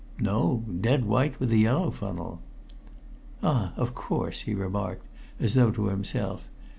"No, dead white, with a yellow funnel." "Ah! Of course," he remarked, as though to himself.